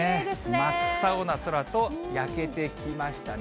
真っ青な空と焼けてきましたね。